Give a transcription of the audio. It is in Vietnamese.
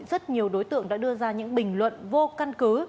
rất nhiều đối tượng đã đưa ra những bình luận vô căn cứ